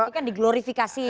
ini kan di glorifikasi